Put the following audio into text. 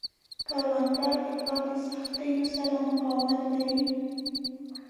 کروندګر د کار د سختیو سره مقاومت لري